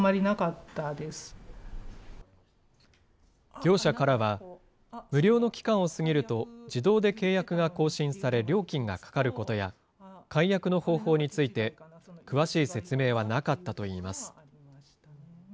業者からは、無料の期間を過ぎると、自動で契約が更新され、料金がかかることや、解約の方法について、詳しい説明はなかったといいます。